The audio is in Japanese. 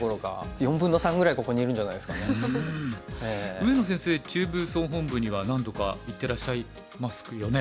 上野先生中部総本部には何度か行ってらっしゃいますよね。